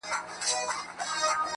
په مسجد او په مندر کي را ايثار دی_